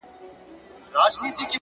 هره هڅه د بدلون څپه جوړوي!.